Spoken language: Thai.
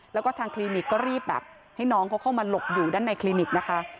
แล้วก็ทางคลินิกก็รีบแบบให้น้องเขาเข้ามาหลบอยู่ด้านในคลินิกนะคะ